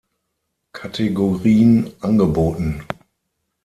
Kategorien, angeboten.